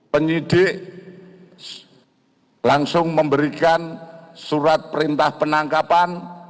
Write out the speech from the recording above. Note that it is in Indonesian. penyidik langsung memberikan surat perintah penangkapan